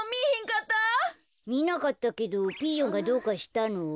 みなかったけどピーヨンがどうかしたの？